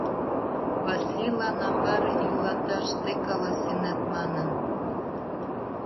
Васлилан амбар йӱлаташ тый каласенат манын.